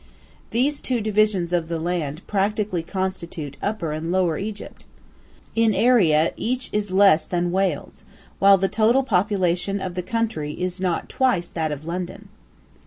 These two divisions of the land practically constitute Upper and Lower Egypt. In area each is less than Wales, while the total population of the country is not twice that of London.